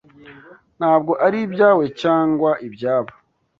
ntabwo ari ibyawe cyangwa ibyabo